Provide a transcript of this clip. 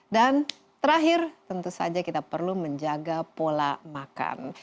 dan terakhir tentu saja kita perlu menjaga pola makan